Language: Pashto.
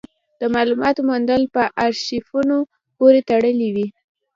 د مالوماتو موندل په ارشیفونو پورې تړلي وو.